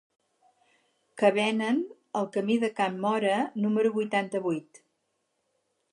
Què venen al camí de Can Móra número vuitanta-vuit?